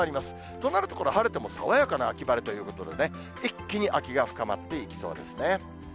となると、これ、晴れても爽やかな秋晴れということでね、一気に秋が深まっていきそうですね。